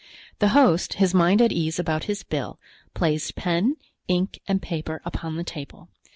The host, his mind at ease about his bill, placed pen, ink and paper upon the table.